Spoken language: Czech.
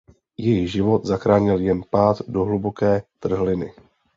Její život zachránil jen pád do hluboké trhliny.